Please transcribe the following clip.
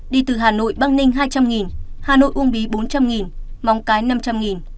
đi từ hà nội băng ninh hai trăm linh hà nội uông bí bốn trăm linh móng cái năm trăm linh